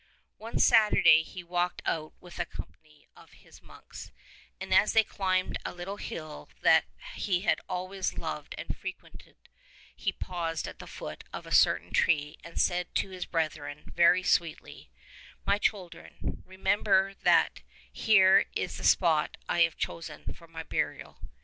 One Saturday he walked out with a company of his monks, and as they climbed a little hill that he had always loved and frequented he paused at the foot of a certain tree and said to his brethren very sweetly: ''My children, re member that here is the spot I have chosen for my burial.